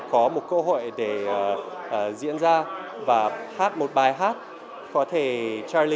không thể sống ở đất nước khác